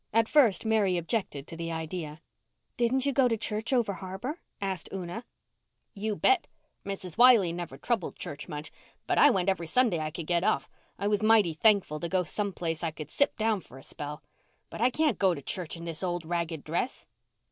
At first Mary objected to the idea. "Didn't you go to church over harbour?" asked Una. "You bet. Mrs. Wiley never troubled church much, but I went every Sunday I could get off. I was mighty thankful to go to some place where I could sit down for a spell. But I can't go to church in this old ragged dress."